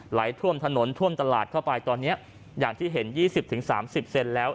ไหลท่วมถนนท่วมตลาดเข้าไปตอนนี้อย่างที่เห็น๒๐๓๐เซนแล้ว